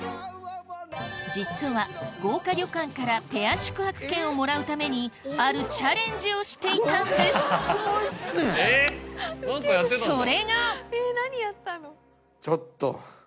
実は豪華旅館からペア宿泊券をもらうためにあるチャレンジをしていたんですそれがちょっと。